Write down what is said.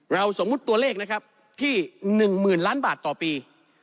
สมมุติตัวเลขนะครับที่๑๐๐๐ล้านบาทต่อปี